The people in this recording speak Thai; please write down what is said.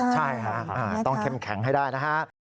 ใช่ค่ะต้องเข้มแข็งให้ได้นะฮะ